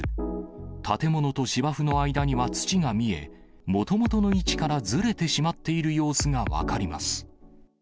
建物と芝生の間には土が見え、もともとの位置からずれてしまっている様子が分かります。